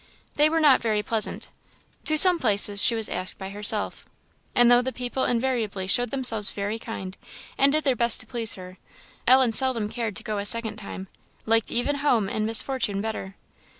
They were not very pleasant. To some places she was asked by herself; and though the people invariably showed themselves very kind, and did their best to please her, Ellen seldom cared to go a second time liked even home and Miss Fortune better.